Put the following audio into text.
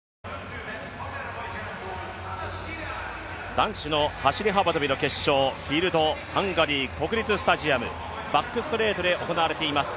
男子の走幅跳の決勝、フィールド、ハンガリー国立スタジアム、バックストレートで行われています。